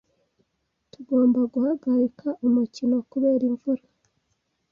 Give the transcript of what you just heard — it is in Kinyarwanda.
Tugomba guhagarika umukino kubera imvura.